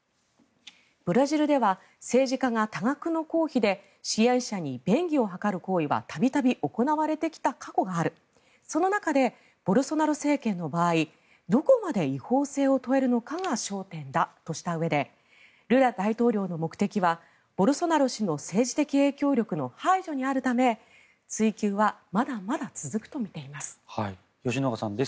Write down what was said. ブラジルでは政治家が多額の公費で支援者に便宜を図る行為は度々行われてきた過去があるその中でボルソナロ政権の場合どこまで違法性を問えるのかが焦点だとしたうえでルラ大統領の目的はボルソナロ氏の政治的影響力の排除にあるため追及はまだまだ続くとみられています。